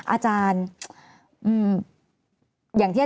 อาจารย์